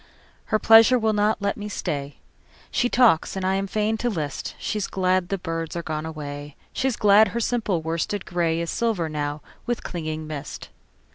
Her pleasure will not let me stay. She talks and I am fain to list:She's glad the birds are gone away, She's glad her simple worsted grayIs silver now with clinging mist.